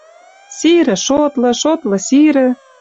Сирӹ, шотлы, шотлы, сирӹ